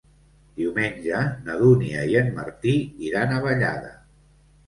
Diumenge na Dúnia i en Martí iran a Vallada.